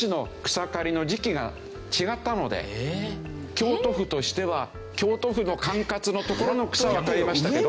京都府としては京都府の管轄の所の草は刈りましたけど。